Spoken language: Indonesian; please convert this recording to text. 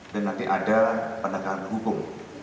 dan nanti ada pendekatan hukum